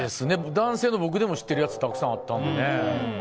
男性の僕でも知ってるやつたくさんあったので。